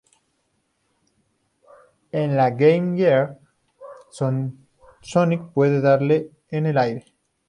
En la de Game Gear, Sonic puede darle en el aire.